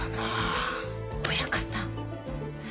親方。